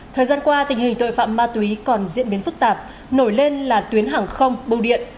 thời gian qua tình hình tội phạm ma túy còn diễn biến phức tạp nổi lên là tuyến hàng không bưu điện